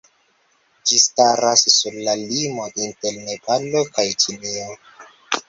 Ĝi staras sur la limo inter Nepalo kaj Ĉinio.